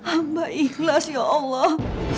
amba ikhlas ya allah